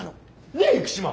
ねえ生島。